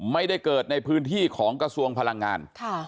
ไม่ได้เกิดในพื้นที่ของกระทรวงพลังงาน